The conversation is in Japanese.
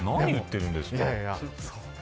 何を言っているんですか。